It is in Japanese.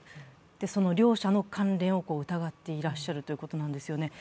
その両者の関連を疑っていらっしゃるということなんですよね。